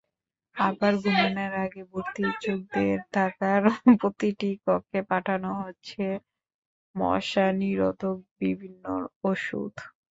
আবার ঘুমানোর আগে ভর্তি-ইচ্ছুকদের থাকার প্রতিটি কক্ষে পাঠানো হচ্ছে মশানিরোধক বিভিন্ন ওষুধ।